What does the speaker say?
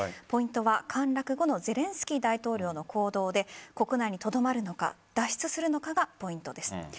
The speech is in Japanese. ポイントは陥落後のゼレンスキー大統領の行動で国内にとどまるのか脱出するのかがポイントです。